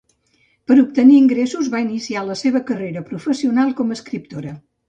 Per obtenir ingressos va iniciar la seva carrera professional com a escriptora.